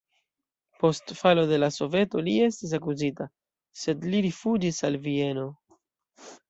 Post falo de la Soveto li estis akuzita, sed li rifuĝis al Vieno.